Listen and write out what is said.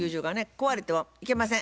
壊れてはいけません。